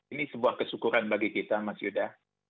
ini sebuah kesyukuran bagi kita mas yuda